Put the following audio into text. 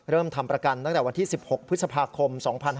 ทำประกันตั้งแต่วันที่๑๖พฤษภาคม๒๕๕๙